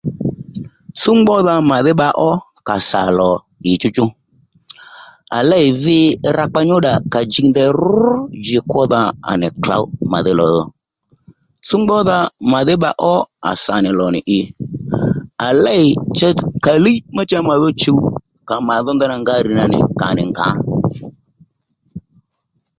Tsúw ngbódha màdhí bba ó kà sà lò ǐchúchú à lêy vi rakpa nyúddà kà jì ndèy rú ji kwódha à nì klǒw màdhí lò dho súw ngbódha màdhí bba ó kà sà nì lò nì i à léy cha kàlíy ma cha mà dho chùw kà màdho ndanà nga rr̀ nà nì kà nì ngǎ